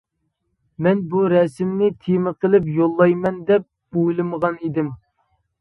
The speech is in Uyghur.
مەن بۇ رەسىمنى تېما قىلىپ يوللايمەن دەپ ئويلىمىغان ئىدىم.